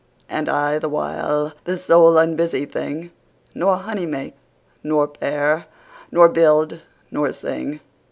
And I, the while, the sole unbusy thing, 5 Nor honey make, nor pair, nor build, nor sing.